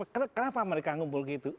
kenapa mereka ngumpul gitu